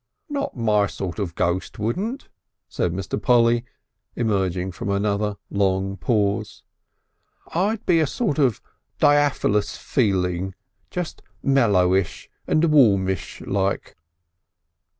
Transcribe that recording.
"Not my sort of ghost wouldn't," said Mr. Polly, emerging from another long pause. "I'd be a sort of diaphalous feeling just mellowish and warmish like...."